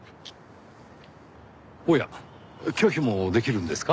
おや拒否もできるんですか？